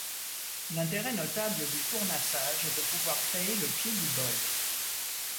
L’intérêt notable du tournassage est de pouvoir créer le pied du bol.